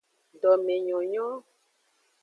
Domenyonyo.